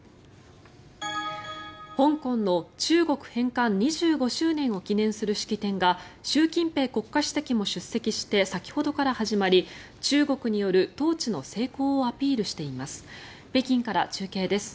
香港の中国返還２５周年を記念する式典が習近平国家主席も出席して先ほどから始まり中国による統治の成功をアピールしています。